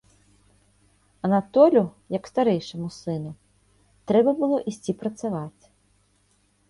Анатолю, як старэйшаму сыну, трэба было ісці працаваць.